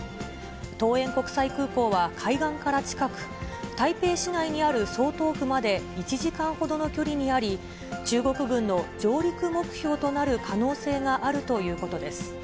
桃園国際空港は海岸から近く、台北市内にある総統府まで１時間ほどの距離にあり、中国軍の上陸目標となる可能性があるということです。